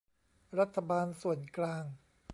รัฐบาลส่วนกลาง